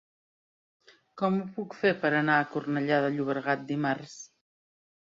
Com ho puc fer per anar a Cornellà de Llobregat dimarts?